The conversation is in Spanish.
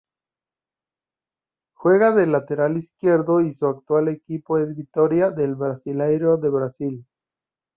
Juega de lateral izquierdo y su actual equipo es Vitória del Brasileirão de Brasil.